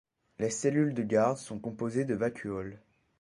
Les cellules de garde sont composées de vacuoles.